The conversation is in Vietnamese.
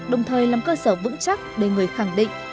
đồng thời làm cơ sở vững chắc để người khẳng định